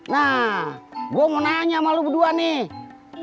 nah gue mau nanya sama lu berdua nih